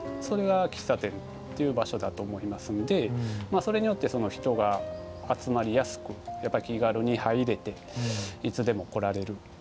それが喫茶店という場所だと思いますんでそれによって人が集まりやすくやっぱり気軽に入れていつでも来られる。